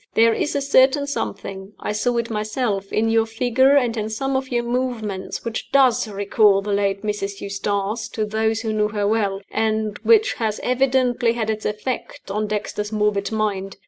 There is a certain something I saw it myself in your figure, and in some of your movements, which does recall the late Mrs. Eustace to those who knew her well, and which has evidently had its effect on Dexter's morbid mind.